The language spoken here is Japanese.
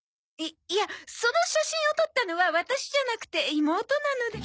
いいやその写真を撮ったのはワタシじゃなくて妹なので。